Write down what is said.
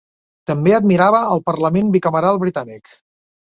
També admirava al parlament bicameral britànic.